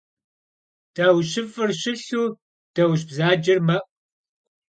Dauşıf'ır şılhu dauş bzacer me'u.